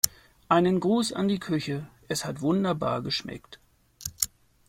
Einen Gruß an die Küche, es hat wunderbar geschmeckt.